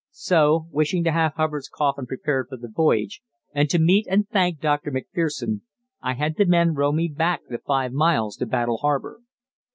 So, wishing to have Hubbard's coffin prepared for the voyage, and to meet and thank Dr. Macpherson, I had the men row me back the five miles to Battle Harbour.